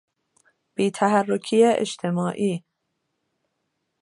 بیتحرکی اجتماعی